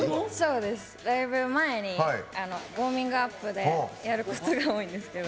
ライブ前にウォーミングアップでやることが多いんですけど。